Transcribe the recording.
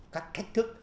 các khách thức